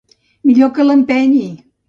Millor que l'empenyi!